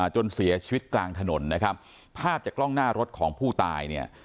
จนเสียชีวิตกลางถนนนะครับภาพจากกล้องหน้ารถของผู้ตายเนี่ย